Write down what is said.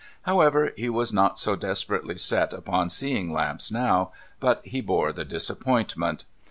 However, he was not so desi)erately set upon seeing Lamps now, but he bore the disappointment.